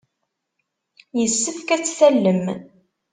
Yessefk ad tt-tallem.